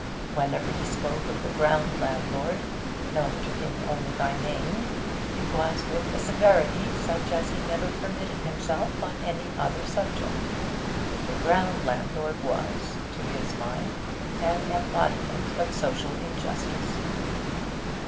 Whenever he spoke of the ground landlord, known to him only by name, it was with a severity such as he never permitted himself on any other subject. The ground landlord was, to his mind, an embodiment of social injustice.